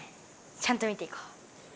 ちゃんと見ていこう。